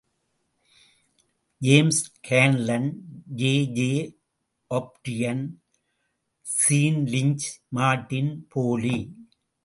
James Conlan, J. J. O'Brien, Sean Lynch, Martin போலீ.